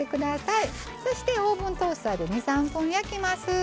そしてオーブントースターで２３分焼きます。